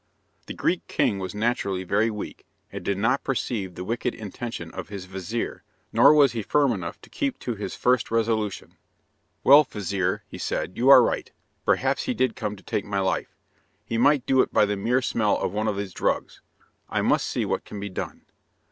The Greek king was naturally very weak, and did not perceive the wicked intention of his vizir, nor was he firm enough to keep to his first resolution. "Well, vizir," he said, "you are right. Perhaps he did come to take my life. He might do it by the mere smell of one of his drugs. I must see what can be done."